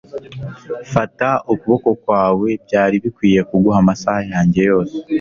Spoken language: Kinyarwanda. Fata ukuboko kwawe Byari bikwiye kuguha amasaha yanjye yose